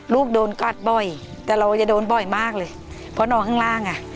ลูกโดนกัดบ่อยแต่เราจะโดนบ่อยมากเลยเพราะนอนข้างล่างอ่ะ